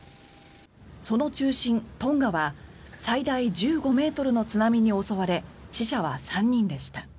その中心、トンガは最大１５ｍの津波に襲われ死者は３人でした。